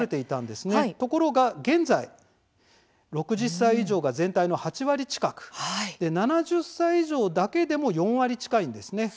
ところが現在６０歳以上が全体の８割近く７０歳以上も４割近いんです。